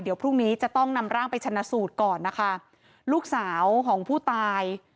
เดี๋ยวพรุ่งนี้จะต้องนำร่างไปชนะสูตรก่อนนะคะลูกสาวของผู้ตาย